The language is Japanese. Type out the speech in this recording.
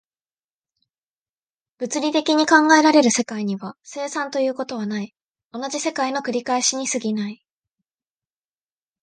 物理的に考えられる世界には、生産ということはない、同じ世界の繰り返しに過ぎない。